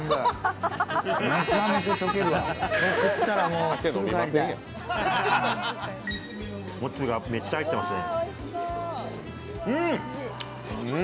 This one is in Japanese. もつがめっちゃ入ってますね。